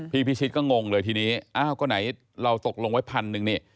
พี่พิชิตก็งงเลยทีนี้ก็ไหนเราตกลงไว้๑๐๐๐บาทนึง